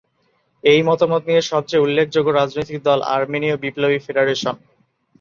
এই মতামত নিয়ে সবচেয়ে উল্লেখযোগ্য রাজনৈতিক দল আর্মেনীয় বিপ্লবী ফেডারেশন।